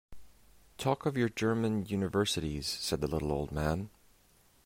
‘Talk of your German universities,’ said the little old man.